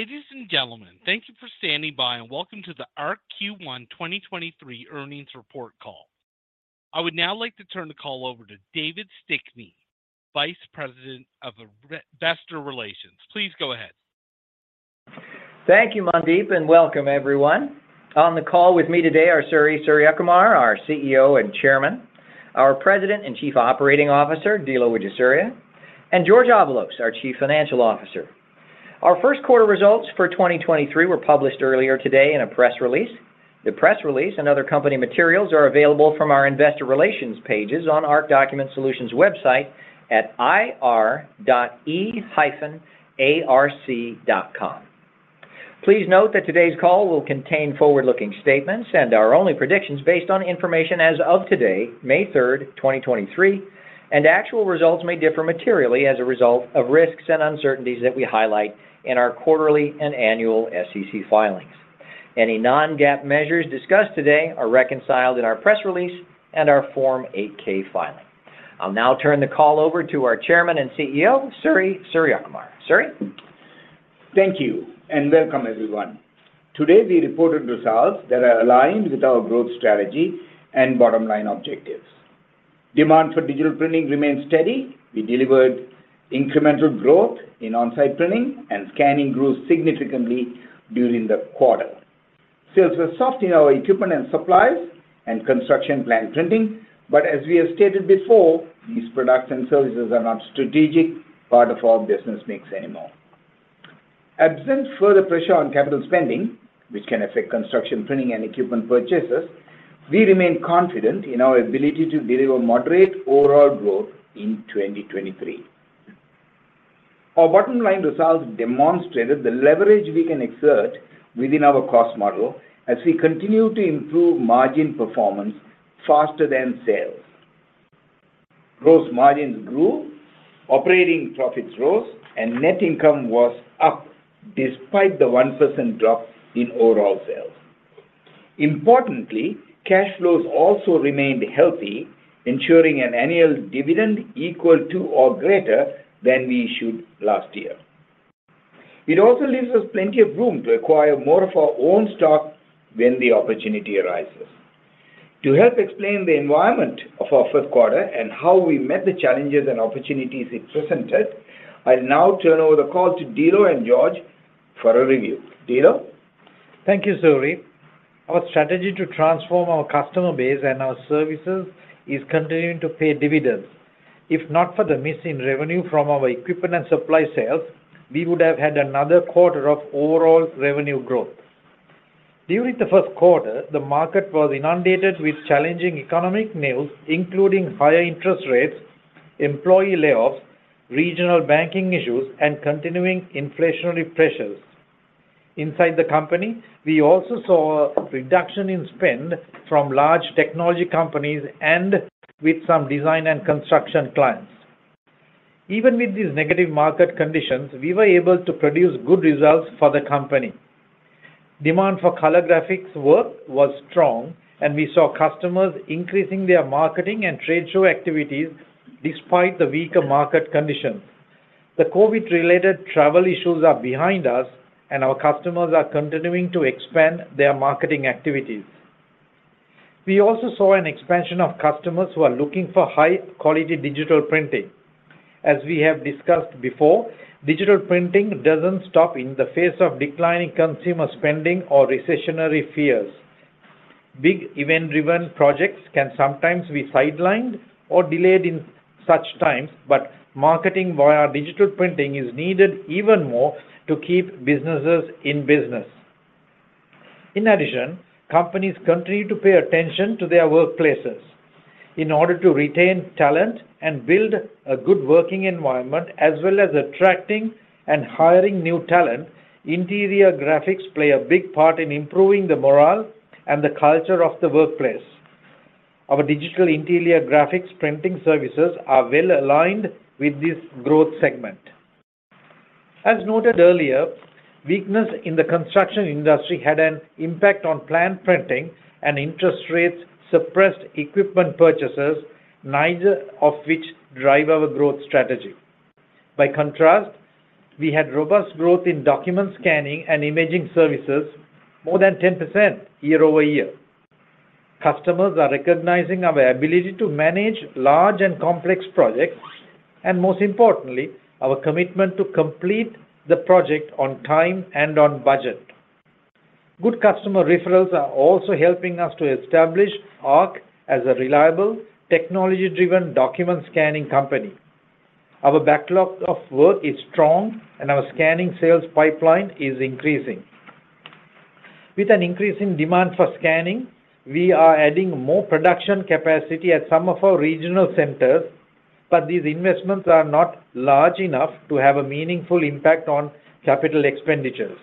Ladies and gentlemen, thank you for standing by and welcome to the ARC Q1 2023 earnings report call. I would now like to turn the call over to David Stickney, Vice President of Investor Relations. Please go ahead. Thank you, Mandeep, and welcome everyone. On the call with me today are Suri Suriyakumar, our CEO and Chairman, our President and Chief Operating Officer, Dilo Wijesuriya, and Jorge Avalos, our Chief Financial Officer. Our first quarter results for 2023 were published earlier today in a press release. The press release and other company materials are available from our investor relations pages on ARC Document Solutions website at ir.e-arc.com. Please note that today's call will contain forward-looking statements and are only predictions based on information as of today, May 3, 2023. Actual results may differ materially as a result of risks and uncertainties that we highlight in our quarterly and annual SEC filings. Any non-GAAP measures discussed today are reconciled in our press release and our Form 8-K filing. I'll now turn the call over to our Chairman and CEO, Suri Suriyakumar. Suri? Thank you and welcome everyone. Today, we reported results that are aligned with our growth strategy and bottom-line objectives. Demand for digital printing remains steady. We delivered incremental growth in on-site printing and scanning growth significantly during the quarter. Sales were soft in our equipment and supplies and construction plant printing, but as we have stated before, these products and services are not strategic part of our business mix anymore. Absent further pressure on capital spending, which can affect construction printing and equipment purchases, we remain confident in our ability to deliver moderate overall growth in 2023. Our bottom-line results demonstrated the leverage we can exert within our cost model as we continue to improve margin performance faster than sales. Gross margins grew, operating profits rose, and net income was up despite the 1% drop in overall sales. Importantly, cash flows also remained healthy, ensuring an annual dividend equal to or greater than we issued last year. It also leaves us plenty of room to acquire more of our own stock when the opportunity arises. To help explain the environment of our first quarter and how we met the challenges and opportunities it presented, I'll now turn over the call to Dilo and Jorge for a review. Dilo? Thank you, Suri. Our strategy to transform our customer base and our services is continuing to pay dividends. If not for the missing revenue from our equipment and supply sales, we would have had another quarter of overall revenue growth. During the first quarter, the market was inundated with challenging economic news, including higher interest rates, employee layoffs, regional banking issues, and continuing inflationary pressures. Inside the company, we also saw a reduction in spend from large technology companies and with some design and construction clients. Even with these negative market conditions, we were able to produce good results for the company. We saw customers increasing their marketing and trade show activities despite the weaker market conditions. Our customers are continuing to expand their marketing activities. We also saw an expansion of customers who are looking for high-quality digital printing. As we have discussed before, digital printing doesn't stop in the face of declining consumer spending or recessionary fears. Big event-driven projects can sometimes be sidelined or delayed in such times, but marketing via digital printing is needed even more to keep businesses in business. In addition, companies continue to pay attention to their workplaces. In order to retain talent and build a good working environment, as well as attracting and hiring new talent, interior graphics play a big part in improving the morale and the culture of the workplace. Our digital interior graphics printing services are well aligned with this growth segment. As noted earlier, weakness in the construction industry had an impact on planned printing and interest rates suppressed equipment purchases, neither of which drive our growth strategy. We had robust growth in document scanning and imaging services more than 10% year-over-year. Customers are recognizing our ability to manage large and complex projects, and most importantly, our commitment to complete the project on time and on budget. Good customer referrals are also helping us to establish ARC as a reliable, technology-driven document scanning company. Our backlog of work is strong and our scanning sales pipeline is increasing. With an increase in demand for scanning, we are adding more production capacity at some of our regional centers, but these investments are not large enough to have a meaningful impact on capital expenditures.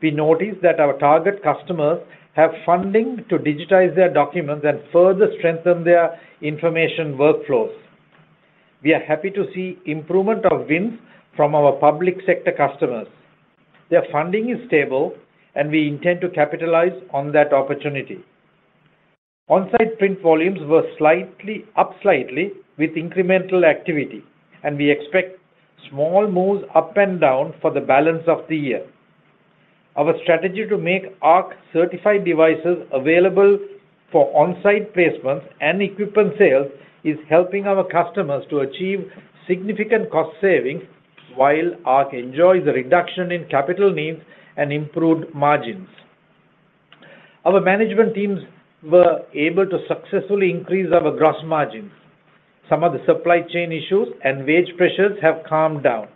We noticed that our target customers have funding to digitize their documents and further strengthen their information workflows. We are happy to see improvement of wins from our public sector customers. Their funding is stable. We intend to capitalize on that opportunity. On-site print volumes were slightly up with incremental activity. We expect small moves up and down for the balance of the year. Our strategy to make ARC Certified devices available for on-site placements and equipment sales is helping our customers to achieve significant cost savings while ARC enjoys a reduction in capital needs and improved margins. Our management teams were able to successfully increase our gross margins. Some of the supply chain issues and wage pressures have calmed down.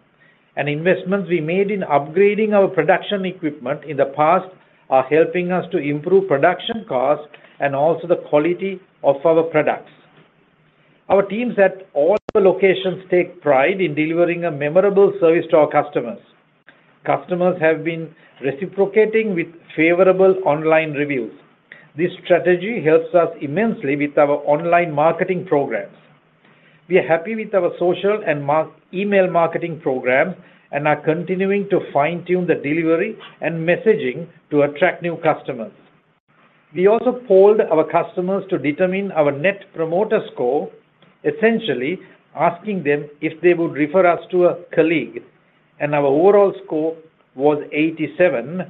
Investments we made in upgrading our production equipment in the past are helping us to improve production costs and also the quality of our products. Our teams at all the locations take pride in delivering a memorable service to our customers. Customers have been reciprocating with favorable online reviews. This strategy helps us immensely with our online marketing programs. We are happy with our social and our email marketing programs and are continuing to fine-tune the delivery and messaging to attract new customers. We also polled our customers to determine our Net Promoter Score, essentially asking them if they would refer us to a colleague. Our overall score was 87,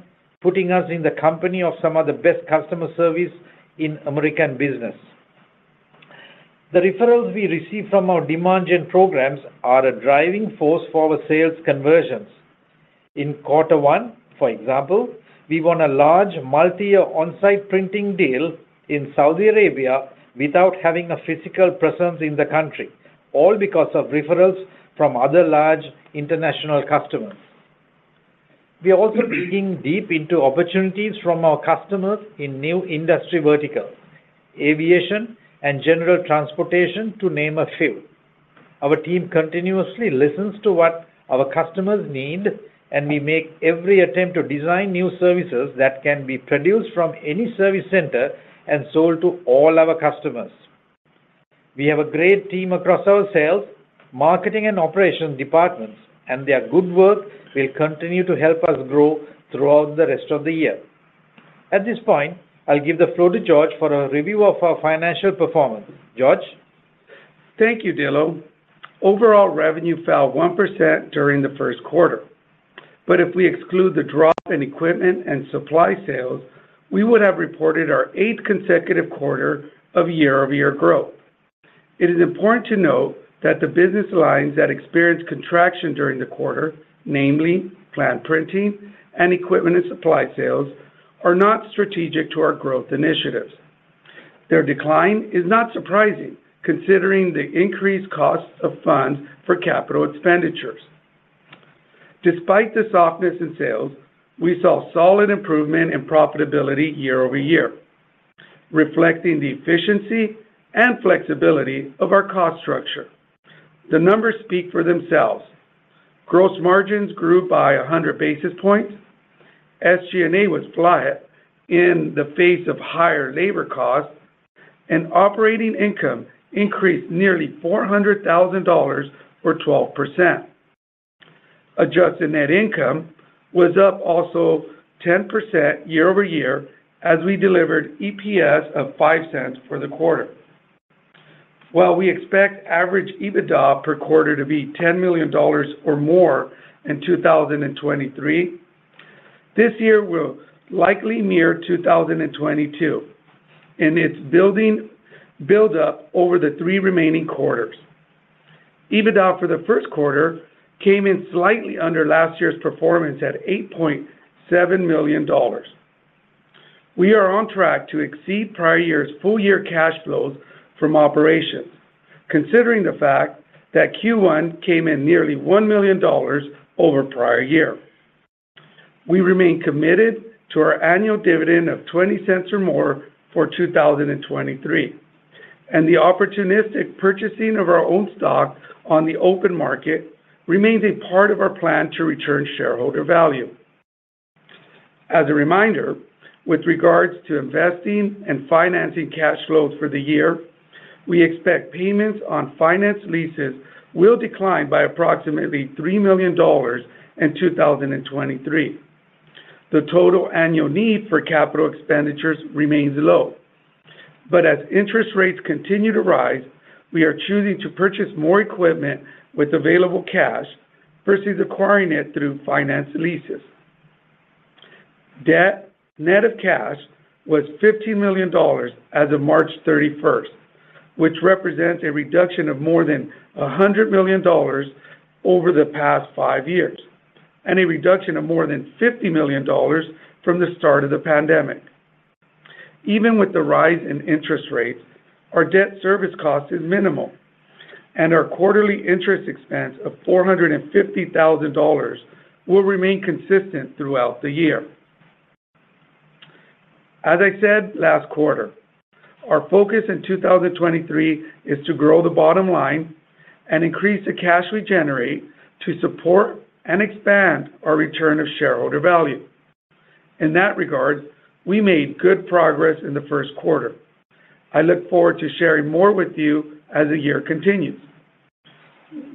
putting us in the company of some of the best customer service in American business. The referrals we receive from our demand gen programs are a driving force for our sales conversions. In quarter one, for example, we won a large multi-year on-site printing deal in Saudi Arabia without having a physical presence in the country, all because of referrals from other large international customers. We are also digging deep into opportunities from our customers in new industry verticals, aviation and general transportation to name a few. Our team continuously listens to what our customers need, and we make every attempt to design new services that can be produced from any service center and sold to all our customers. We have a great team across our sales, marketing, and operations departments, and their good work will continue to help us grow throughout the rest of the year. At this point, I'll give the floor to Jorge for a review of our financial performance. Jorge? Thank you, Dilo. Overall revenue fell 1% during the first quarter, but if we exclude the drop in equipment and supply sales, we would have reported our 8th consecutive quarter of year-over-year growth. It is important to note that the business lines that experienced contraction during the quarter, namely plant printing and equipment and supply sales, are not strategic to our growth initiatives. Their decline is not surprising considering the increased costs of funds for capital expenditures. Despite the softness in sales, we saw solid improvement in profitability year-over-year, reflecting the efficiency and flexibility of our cost structure. The numbers speak for themselves. Gross margins grew by 100 basis points. SG&A was flat in the face of higher labor costs, and operating income increased nearly $400,000 or 12%. Adjusted net income was up also 10% year-over-year as we delivered EPS of $0.05 for the quarter. While we expect average EBITDA per quarter to be $10 million or more in 2023, this year will likely mirror 2022 in its building build up over the three remaining quarters. EBITDA for the first quarter came in slightly under last year's performance at $8.7 million. We are on track to exceed prior year's full-year cash flows from operations, considering the fact that Q1 came in nearly $1 million over prior year. We remain committed to our annual dividend of $0.20 or more for 2023, and the opportunistic purchasing of our own stock on the open market remains a part of our plan to return shareholder value. As a reminder, with regards to investing and financing cash flows for the year, we expect payments on finance leases will decline by approximately $3 million in 2023. The total annual need for capital expenditures remains low, but as interest rates continue to rise, we are choosing to purchase more equipment with available cash versus acquiring it through finance leases. Debt, net of cash was $15 million as of March 31st, which represents a reduction of more than $100 million over the past five years and a reduction of more than $50 million from the start of the pandemic. Even with the rise in interest rates, our debt service cost is minimal, and our quarterly interest expense of $450,000 will remain consistent throughout the year. As I said last quarter, our focus in 2023 is to grow the bottom line and increase the cash we generate to support and expand our return of shareholder value. In that regard, we made good progress in the first quarter. I look forward to sharing more with you as the year continues.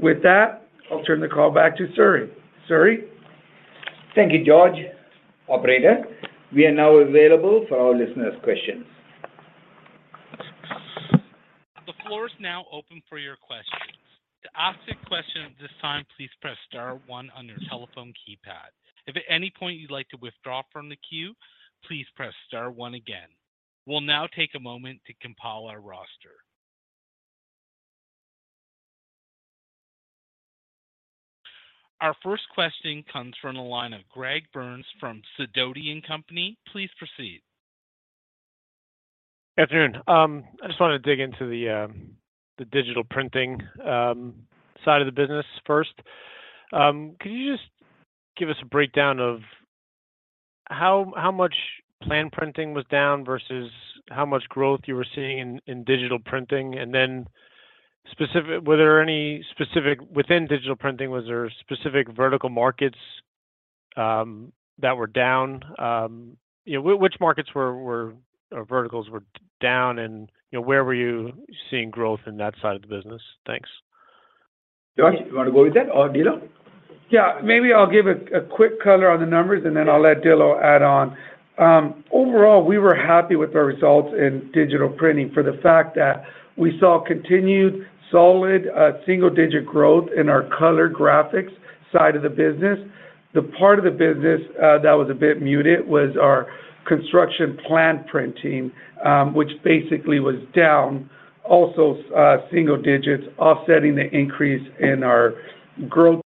With that, I'll turn the call back to Suri. Suri? Thank you, Jorge. Operator, we are now available for our listeners' questions. The floor is now open for your questions. To ask a question at this time, please press star one on your telephone keypad. If at any point you'd like to withdraw from the queue, please press star one again. We'll now take a moment to compile our roster. Our first question comes from the line of Gregory Burns from Sidoti & Company. Please proceed. Good afternoon. I just wanted to dig into the digital printing side of the business first. Could you just give us a breakdown of how much plan printing was down versus how much growth you were seeing in digital printing? Were there any specific vertical markets that were down? You know, which markets were, or verticals were down, you know, where were you seeing growth in that side of the business? Thanks. Jorge, you wanna go with that, or Dilo? Yeah. Maybe I'll give a quick color on the numbers, and then I'll let Dilo add on. Overall, we were happy with our results in digital printing for the fact that we saw continued solid, single-digit growth in our color graphics side of the business. The part of the business that was a bit muted was our construction plan printing, which basically was down also, single digits, offsetting the increase in our growth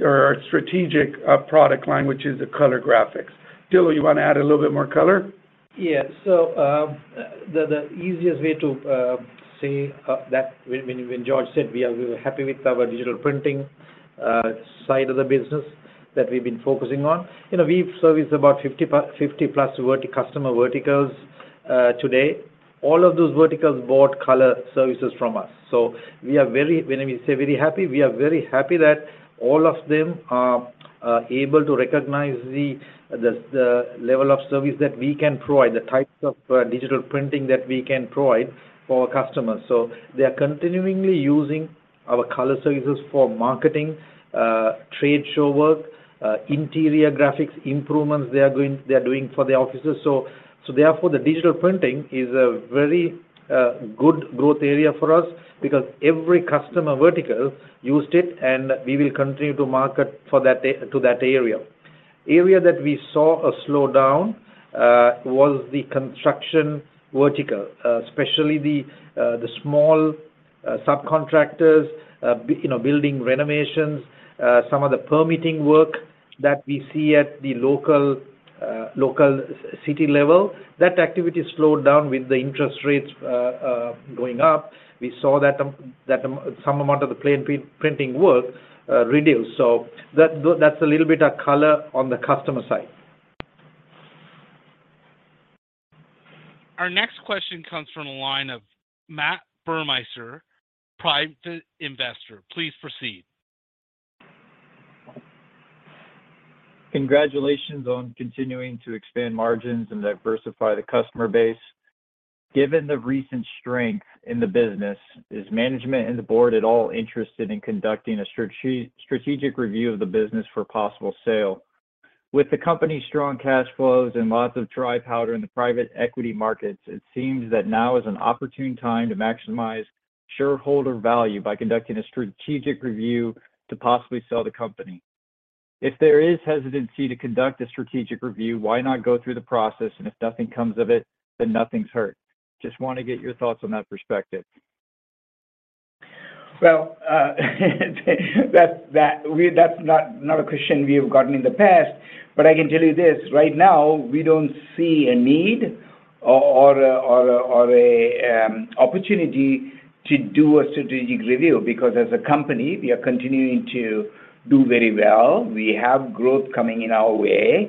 or our strategic product line, which is the color graphics. Dilo, you wanna add a little bit more color? The easiest way to say that when Jorge said we were happy with our digital printing side of the business that we've been focusing on. You know, we've serviced about 50-plus customer verticals today. All of those verticals bought color services from us. We are very, when we say very happy, we are very happy that all of them are able to recognize the level of service that we can provide, the types of digital printing that we can provide for our customers. They are continuingly using our color services for marketing, trade show work, interior graphics, improvements they are doing for their offices. Therefore, the digital printing is a very good growth area for us because every customer vertical used it, and we will continue to market to that area. Area that we saw a slowdown was the construction vertical, especially the small subcontractors, you know, building renovations, some of the permitting work that we see at the local city level. That activity slowed down with the interest rates going up. We saw that some amount of the plan printing work reduce. That's a little bit of color on the customer side. Our next question comes from the line of Matt Burmeister, Private Investor. Please proceed. Congratulations on continuing to expand margins and diversify the customer base. Given the recent strength in the business, is management and the board at all interested in conducting a strategic review of the business for possible sale? With the company's strong cash flows and lots of dry powder in the private equity markets, it seems that now is an opportune time to maximize shareholder value by conducting a strategic review to possibly sell the company. If there is hesitancy to conduct a strategic review, why not go through the process, and if nothing comes of it, then nothing's hurt. Wanna get your thoughts on that perspective. Well, that's not a question we have gotten in the past, but I can tell you this. Right now, we don't see a need or a opportunity to do a strategic review because as a company, we are continuing to do very well. We have growth coming in our way.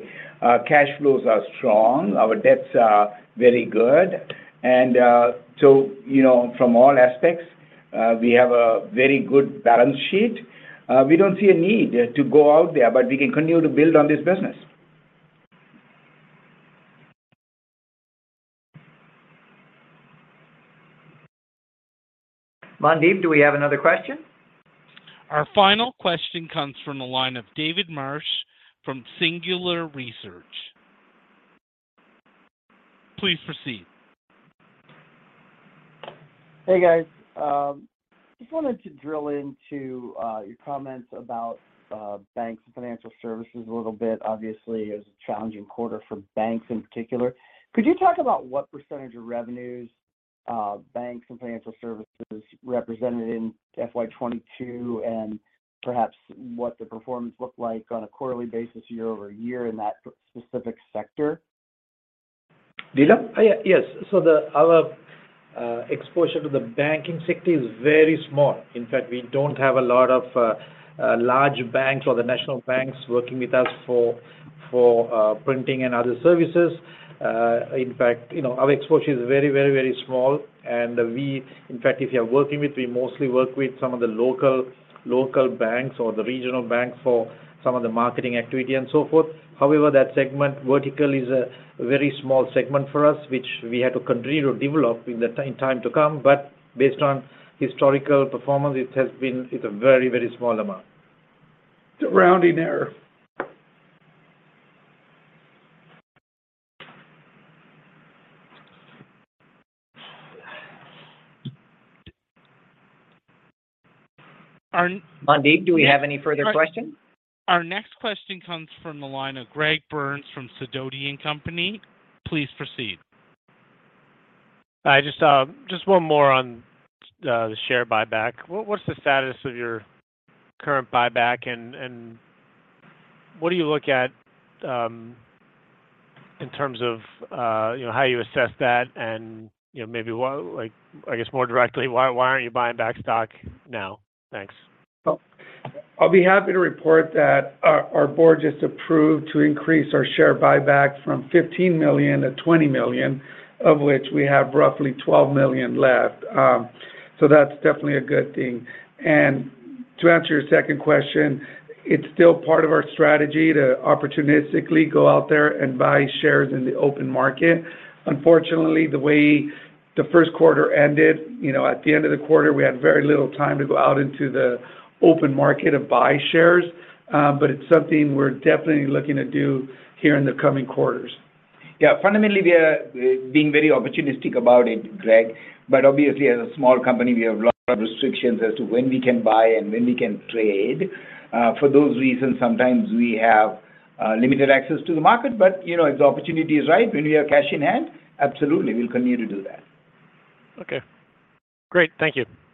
Cash flows are strong. Our debts are very good. You know, from all aspects, we have a very good balance sheet. We don't see a need to go out there, but we can continue to build on this business. Mandeep, do we have another question? Our final question comes from the line of David Marsh from Singular Research. Please proceed. Hey, guys. just wanted to drill into your comments about banks and financial services a little bit. Obviously, it was a challenging quarter for banks in particular. Could you talk about what % of revenues, banks and financial services represented in FY 22 and perhaps what the performance looked like on a quarterly basis year-over-year in that specific sector? Dilo? Yes. The, our exposure to the banking sector is very small. In fact, we don't have a lot of large banks or the national banks working with us for printing and other services. In fact, you know, our exposure is very, very, very small. In fact, if you're working with, we mostly work with some of the local banks or the regional banks for some of the marketing activity and so forth. That segment vertical is a very small segment for us, which we have to continue to develop in time to come. Based on historical performance, it has been, it's a very, very small amount. It's a rounding error. Mandeep, do we have any further questions? Our next question comes from the line of Gregory Burns from Sidoti & Company. Please proceed. Hi, just one more on the share buyback. What's the status of your current buyback, and what do you look at, in terms of, you know, how you assess that and, you know, maybe like, I guess more directly, why aren't you buying back stock now? Thanks. Well, I'll be happy to report that our board just approved to increase our share buyback from $15 million to $20 million, of which we have roughly $12 million left. That's definitely a good thing. To answer your second question, it's still part of our strategy to opportunistically go out there and buy shares in the open market. Unfortunately, the way the first quarter ended, you know, at the end of the quarter, we had very little time to go out into the open market to buy shares. It's something we're definitely looking to do here in the coming quarters. Yeah. Fundamentally, we are being very opportunistic about it, Greg. Obviously, as a small company, we have lot of restrictions as to when we can buy and when we can trade. For those reasons, sometimes we have limited access to the market. You know, if the opportunity is right, when we have cash in hand, absolutely, we'll continue to do that. Okay. Great. Thank you. You're welcome.